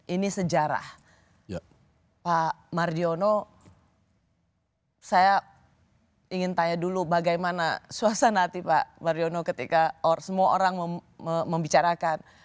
ini sejarah pak mardiono saya ingin tanya dulu bagaimana suasana hati pak mardiono ketika semua orang membicarakan